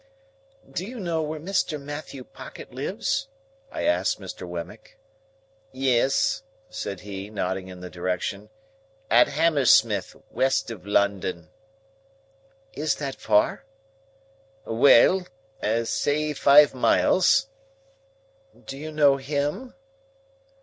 "Do you know where Mr. Matthew Pocket lives?" I asked Mr. Wemmick. "Yes," said he, nodding in the direction. "At Hammersmith, west of London." "Is that far?" "Well! Say five miles." "Do you know him?"